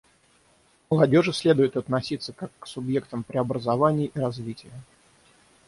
К молодежи следует относиться как к субъектам преобразований и развития.